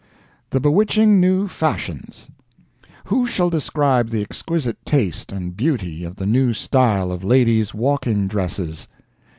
THE BEWITCHING NEW FASHIONS Who shall describe the exquisite taste and beauty of the new style of ladies' walking dresses?